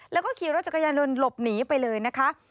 แล้วก็ขี่รถจักรยานยนต์หลบหนีไปเลยนะคะ